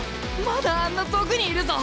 まだあんな遠くにいるぞ！